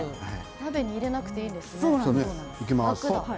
鍋に入れなくていいんですね、楽だ。